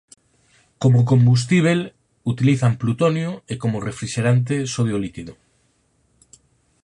Como combustíbel utilizan plutonio e como refrixerante sodio líquido.